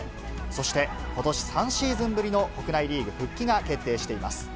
そして、ことし３シーズンぶりの国内リーグ復帰が決定しています。